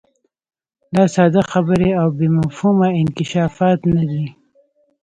دا ساده خبرې او بې مفهومه انکشافات نه دي.